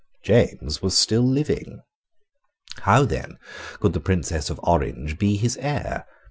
James was still living. How then could the Princess of Orange be his heir?